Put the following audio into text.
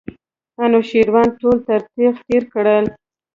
انوشیروان ټول تر تېغ تېر کړل.